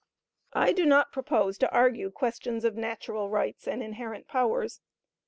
I do not propose to argue questions of natural rights and inherent powers.